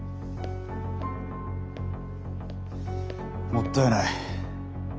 もったいない。